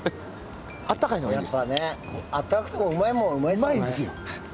やっぱ温かくてもうまいものはうまいんです。